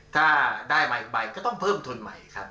ถ้าได้มาอีกใบก็ต้องเพิ่มทุนใหม่ครับ